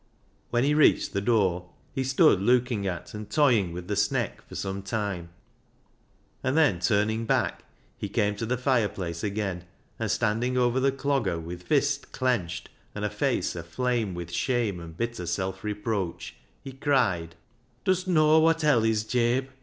When he reached the door he stood looking at and toying with the sneck for some time, and then turning back, he came to the fireplace again, and standing over the Clogger with fist clenched, and a face aflame with shame and bitter self reproach, he cried —" Dust knaaw wot hell is, Jabe